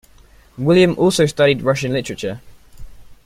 William also studied Russian literature.